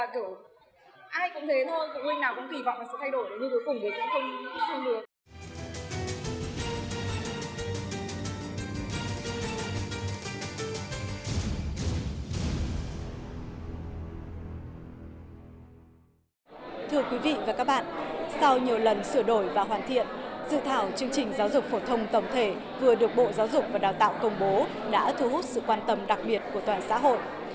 quý vị và các bạn sau nhiều lần sửa đổi và hoàn thiện dự thảo chương trình giáo dục phổ thông tổng thể vừa được bộ giáo dục và đào tạo công bố đã thu hút sự quan tâm đặc biệt của toàn xã hội